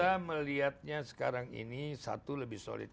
kita melihatnya sekarang ini satu lebih solid